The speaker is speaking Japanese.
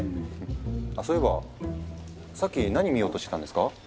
あそういえばさっき何見ようとしてたんですか？